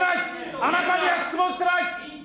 あなたには質問してない。